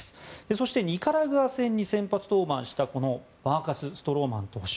そしてニカラグア戦に先発登板したマーカス・ストローマン投手。